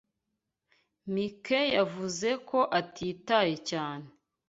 Mike yavuze ko atitaye cyane.